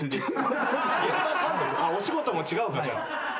お仕事も違うかじゃあ。